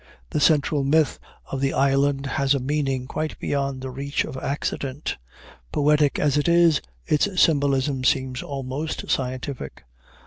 The central myth of the island has a meaning quite beyond the reach of accident; poetic as it is, its symbolism seems almost scientific.